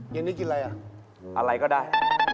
เย็นนี้กินอะไรอ่ะอะไรก็ได้